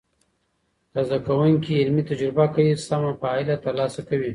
که زده کوونکي علمي تجربه کوي، سمه پایله تر لاسه کوي.